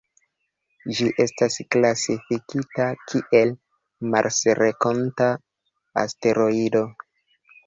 Ĝi estas klasifikita kiel marsrenkonta asteroido.